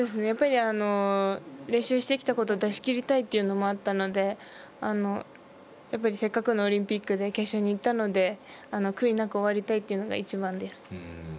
やっぱり練習してきたことを出しきりたいというのもあったのでやっぱりせっかくのオリンピックで決勝にいったので悔いなく終わりたいというのが一番です。